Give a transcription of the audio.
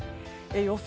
予想